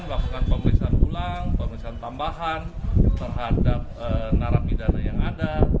melakukan pemeriksaan ulang pemeriksaan tambahan terhadap narapidana yang ada